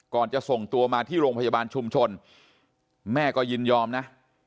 จะส่งตัวมาที่โรงพยาบาลชุมชนแม่ก็ยินยอมนะ